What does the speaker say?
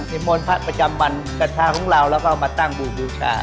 มีมนตร์ผ้าประจำวันกับชาติของเราแล้วก็มาตั้งบูบูชา